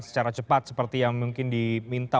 secara cepat seperti yang mungkin diminta